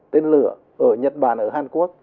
tên lửa ở nhật bản ở hàn quốc